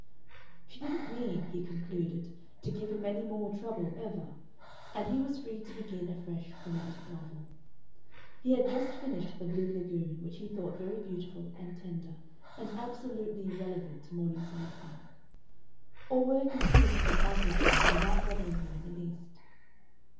She didn't mean, he concluded, to give him any more trouble ever, and he was free to begin a fresh chromatic novel he had just finished the Blue Lagoon, which he thought very beautiful and tender and absolutely irrelevant to Morningside Park or work in peace at his microtome without bothering about her in the least.